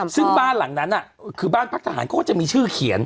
ซึ่งบ้านหลังนั้นคือบ้านพักทหารเขาก็จะมีชื่อเขียน